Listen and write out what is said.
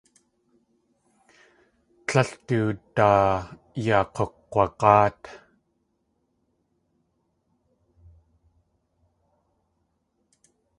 Tlél du daa yaa k̲ukg̲wag̲áat.